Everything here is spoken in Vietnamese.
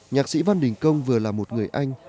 nhạc sĩ văn đình công vừa là một người anh